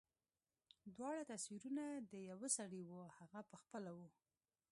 دواړه تصويرونه د يوه سړي وو هغه پخپله و.